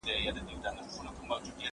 زه بايد لوښي وچوم؟!